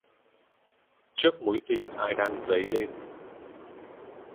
Trước mối tình ai đang dấy lên.